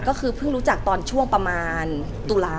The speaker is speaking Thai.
เดี๋ยวก็ไปตอนความสัมภัณฑ์ของเราทั้งคู่มันเริ่มยังไง